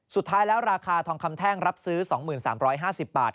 สุดท้ายแล้วราคาทองคำแท่งรับซื้อ๒๓๕๐บาท